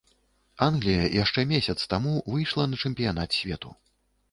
Англія яшчэ месяц таму выйшла на чэмпіянат свету.